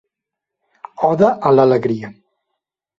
"Oda a l'alegria".